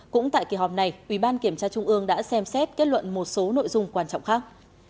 cũng tại kỳ họp này ủy ban kiểm tra trung ương đã xem xét kết luận một số nội dung quan trọng khác